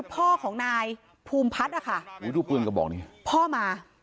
พ่อของนายภูมิพัฒน์นะคะอุ้ยดูปืนกระบอกนี้พ่อมา